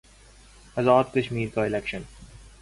آزاد کشمیر کا الیکشن